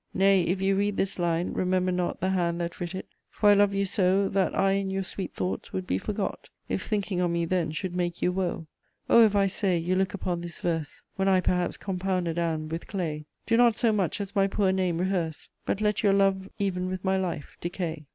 Nay, if you read this line, remember not The hand that writ it; for I love you so, That I in your sweet thoughts would be forgot, If thinking on me then should make you woe. O, if, I say, you look upon this verse When I perhaps compounded am with clay, Do not so much as my poor name rehearse, But let your love even with my life decay.